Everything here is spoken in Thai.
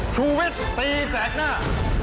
ชูวิตตีแสดหน้า